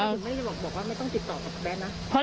ไม่ต้องติดต่อกับแบทนะ